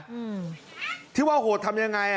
อืมที่ว่าโหดทำยังไงอ่ะ